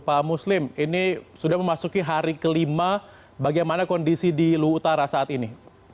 pak muslim ini sudah memasuki hari kelima bagaimana kondisi di luwutara saat ini